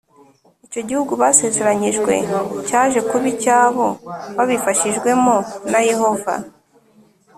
icyo gihugu basezeranyijwe cyaje kuba icyabo babifashijwemo na yehova